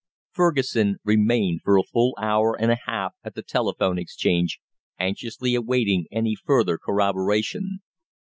Fergusson remained for a full hour and a half at the Telephone Exchange, anxiously awaiting any further corroboration.